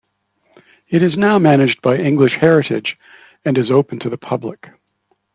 It is now managed by English Heritage and is open to the public.